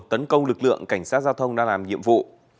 tấn công lực lượng cảnh sát giao thông đang làm nhiệm vụ